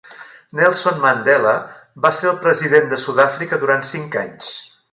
Nelson Mandela va ser el president de Sud-àfrica durant cinc anys.